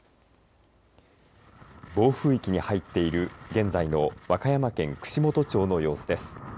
暴風域に入っている現在の和歌山県串本町の様子です。